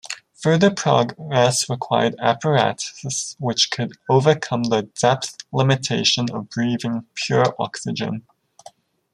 Further progress required apparatus which could overcome the depth limitation of breathing pure oxygen.